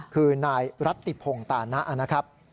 คือนายรัตติพงศ์ตานะนะครับ